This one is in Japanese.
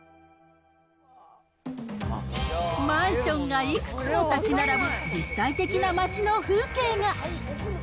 マンションがいくつも建ち並ぶ立体的な街の風景が。